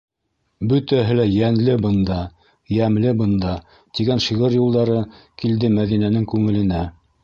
«Бөтәһе лә йәнле бында, йәмле бында», — тигән шиғыр юлдары килде Мәҙинәнең күңеленә.